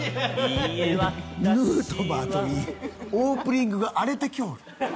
ヌートバーといいオープニングが荒れてきよる。